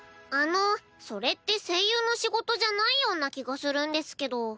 あのそれって声優の仕事じゃないような気がするんですけど。